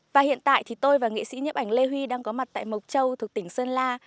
và hiện tại thì tôi và nghệ sĩ nhấp ảnh lê huy đang có mặt tại mộc châu thuộc tỉnh sơn la